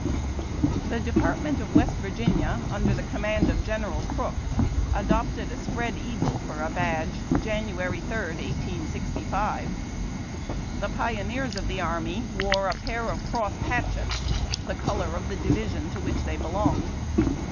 The Department of West Virginia, under the command of General Crook, adopted a spread eagle for a badge, Jan. 3, 1865. The pioneers of the army wore a pair of crossed hatchets, the color of the division to which they belonged.